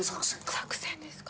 作戦ですか？